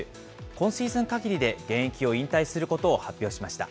今シーズンかぎりで現役を引退することを発表しました。